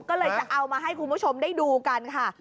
ก็เลยจะเอามาให้คุณผู้ชมได้ดูกันค่ะ